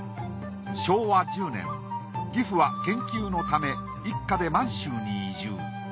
昭和１０年義父は研究のため一家で満州に移住。